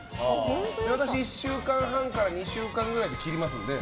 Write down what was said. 私１週間半から２週間ぐらいで切りますので。